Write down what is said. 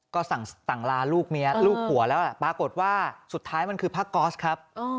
ก็สั่งลาลูกเมียลูกผัวแล้วปรากฏว่าสุดท้ายมันคือผ้าก๊อสครับ